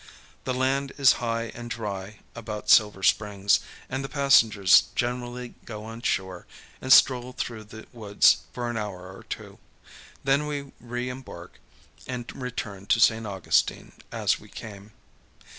The land is high and dry about Silver Springs, and the passengers generally go on shore and stroll through the woods for an hour or two. Then we reëmbark and return to St. Augustine as we came.